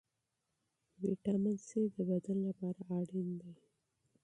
ویټامین سي د بدن لپاره اړین دی.